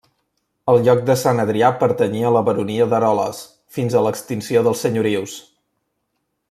El lloc de Sant Adrià pertanyia a la baronia d'Eroles, fins a l'extinció dels senyorius.